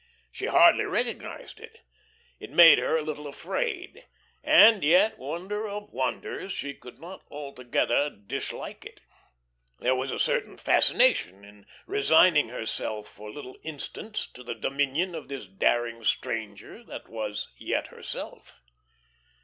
She hardly recognised it. It made her a little afraid; and yet, wonder of wonders, she could not altogether dislike it. There was a certain fascination in resigning herself for little instants to the dominion of this daring stranger that was yet herself.